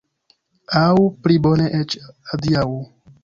Aŭ, pli bone eĉ, adiaŭ!